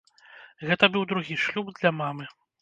Гэта быў другі шлюб для мамы.